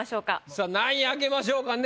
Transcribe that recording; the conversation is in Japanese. さあ何位開けましょうかね。